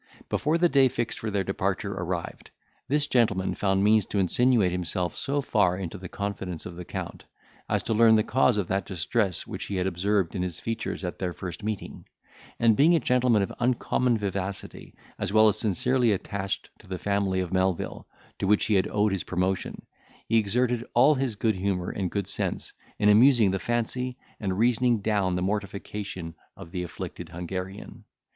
Before the day fixed for their departure arrived, this gentleman found means to insinuate himself so far into the confidence of the Count, as to learn the cause of that distress which he had observed in his features at their first meeting; and being a gentleman of uncommon vivacity, as well as sincerely attached to the family of Melvil, to which he had owed his promotion, he exerted all his good humour and good sense in amusing the fancy, and reasoning down the mortification of the afflicted Hungarian.